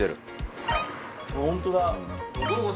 ホントだ。